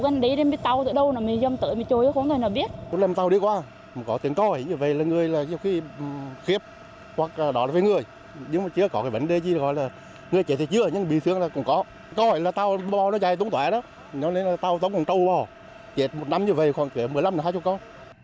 nói lên là tao giống con trâu bò chết một năm như vầy khoảng một mươi năm hai mươi con